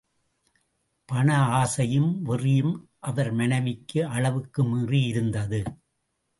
பண ஆசையும், வெறியும் அவர் மனைவிக்கு அளவுக்கு மீறி இருந்தது.